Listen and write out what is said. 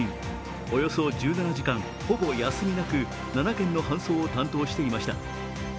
およそ１７時間、ほぼ休みなく７件の搬送を担当していました。